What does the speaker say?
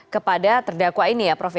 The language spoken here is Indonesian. kepada terdakwa ini ya prof ya